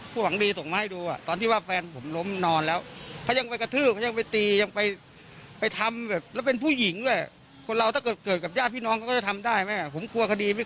เป็นเด็กข้าวอะไรแบบนี้ไม่ได้